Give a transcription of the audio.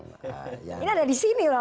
yang menyerang ini ada di sini loh